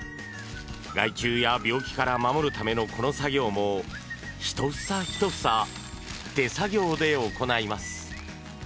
害虫や病気から守るためのこの作業もひと房ひと房手作業で行います。